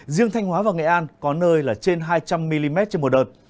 riêng thanh hóa và nghệ an có nơi là trên hai trăm linh mm trên một đợt